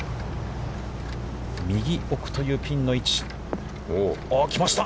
右奥というピンの位置。